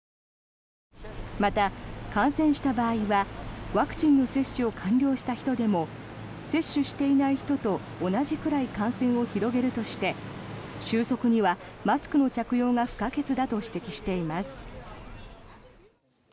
また、感染した場合はワクチンの接種を完了した人でも接種していない人と同じくらい感染を広げるとして収束にはマスクの着用が不可欠だと指摘しています。